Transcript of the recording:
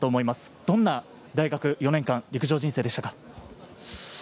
どんな大学４年間の陸上人生でしたか？